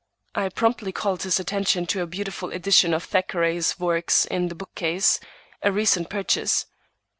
I promptly called his attention to a beautiful edition of Thackeray's works in the bookcase, a recent purchase.